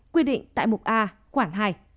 quy định tại mục a quản hai